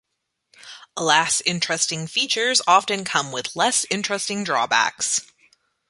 Alas, interesting features often come with less interesting drawbacks.